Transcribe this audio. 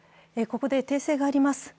ここで訂正があります。